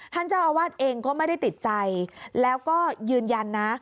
ท่านเจ้าอาวาสเองก็ไม่ได้ติดใจแล้วก็ยืนยันนะ